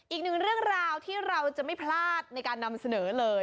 อีกหนึ่งเรื่องราวที่เราจะไม่พลาดในการนำเสนอเลย